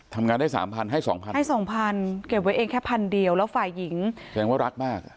ทำงานได้สามพันให้สองพันให้สองพันเก็บไว้เองแค่พันเดียวแล้วฝ่ายหญิงแสดงว่ารักมากอ่ะ